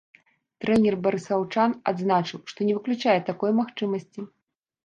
Трэнер барысаўчан адзначыў, што не выключае такой магчымасці.